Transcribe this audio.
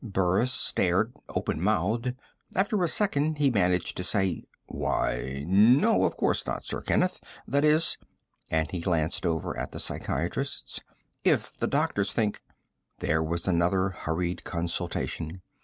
Burris stared, openmouthed. After a second he managed to say: "Why, no, of course not, Sir Kenneth. That is" and he glanced over at the psychiatrists "if the doctors think " There was another hurried consultation.